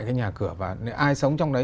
cái nhà cửa và ai sống trong đấy